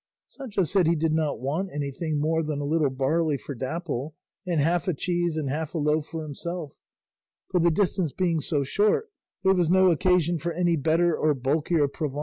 Sancho said he did not want anything more than a little barley for Dapple, and half a cheese and half a loaf for himself; for the distance being so short there was no occasion for any better or bulkier provant.